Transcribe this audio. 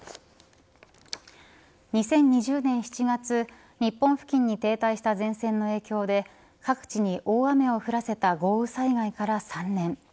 ２０２０年７月日本付近に停滞した前線の影響で各地に大雨を降らせた豪雨災害から３年。